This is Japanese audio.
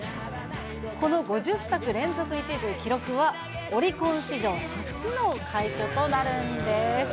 この５０作連続１位という記録は、オリコン史上初の快挙となるんです。